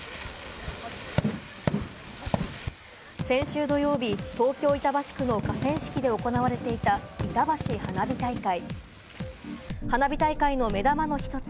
先週土曜日、東京・板橋区の河川敷で行われていた、いたばし花火大会。